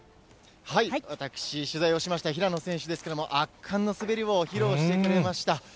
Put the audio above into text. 私、取材をしました平野選手ですけれども、圧巻の滑りを披露してくれました。